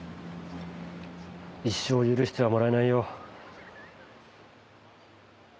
一生許してはもらえないよ。